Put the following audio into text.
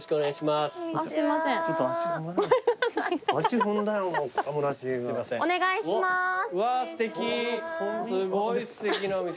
すごいすてきなお店。